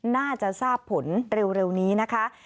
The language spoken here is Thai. น่าจะทราบผลเร็วนี้นะคะ